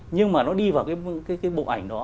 nhưng mà nó đi vào cái bộ ảnh đó